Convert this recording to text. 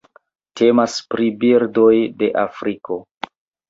Temas pri birdoj de Afriko.